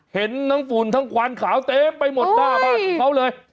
เห็นทั้งฝุ่นทั้งควันขาวเต็มไปหมดหน้าบ้านของเขาเลย